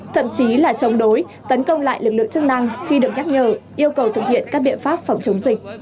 thậm chí là chống đối tấn công lại lực lượng chức năng khi được nhắc nhở yêu cầu thực hiện các biện pháp phòng chống dịch